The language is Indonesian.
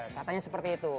katanya seperti itu